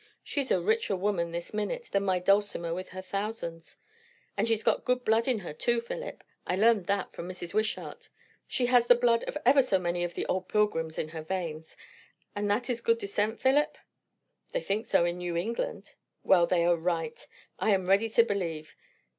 She's a richer woman this minute, than my Dulcimer with her thousands. And she's got good blood in her too, Philip. I learned that from Mrs. Wishart. She has the blood of ever so many of the old Pilgrims in her veins; and that is good descent, Philip?" "They think so in New England." "Well, they are right, I am ready to believe.